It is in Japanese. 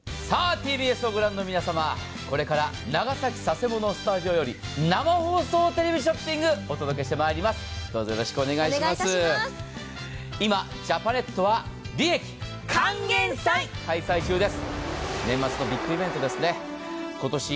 ＴＢＳを御覧の皆様、これから長崎・佐世保のスタジオより生放送テレビショッピング、お届けしてまいります。